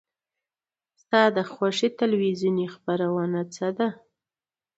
ستا د خوښې تلویزیون خپرونه څه ده؟